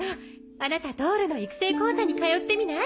あなたドールの育成講座に通ってみない？